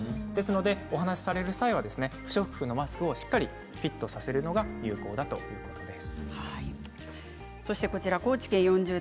お話される際は不織布のマスクをしっかりフィットさせるのが有効だということです。